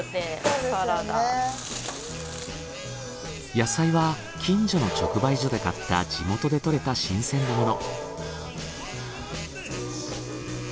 野菜は近所の直売所で買った地元で採れた新鮮なもの。